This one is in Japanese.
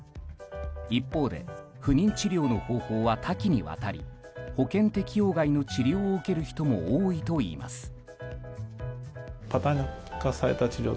一方で不妊治療の方法は多岐にわたり保険適用外の治療を受ける人も多いといいます。